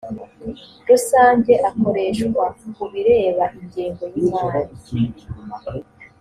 rusange akoreshwa ku bireba ingengo y imari